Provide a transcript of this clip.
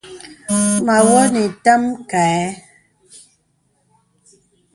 Mə awɔ̄ nə ìtam kaɛ̂.